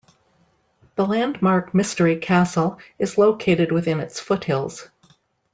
The landmark Mystery Castle is located within its foothills.